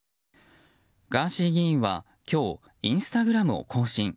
ガーシー議員は今日、インスタグラムを更新。